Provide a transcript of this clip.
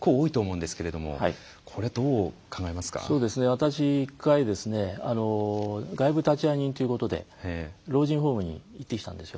私１回外部立会人ということで老人ホームに行ってきたんですよ。